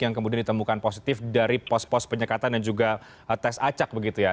yang kemudian ditemukan positif dari pos pos penyekatan dan juga tes acak begitu ya